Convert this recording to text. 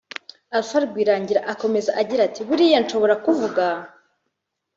Alpha Rwirangira akomeza agira ati “ Buriya nshobora kuvuga